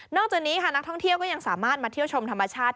จากนี้ค่ะนักท่องเที่ยวก็ยังสามารถมาเที่ยวชมธรรมชาติ